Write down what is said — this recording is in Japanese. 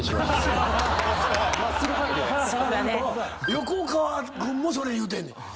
横川君もそれ言うてんねん。